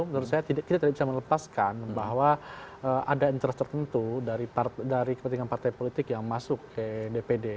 menurut saya kita tidak bisa melepaskan bahwa ada interest tertentu dari kepentingan partai politik yang masuk ke dpd